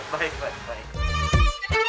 baik baik baik